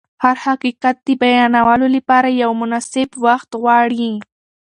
هر حقیقت د بیانولو لپاره یو مناسب وخت غواړي.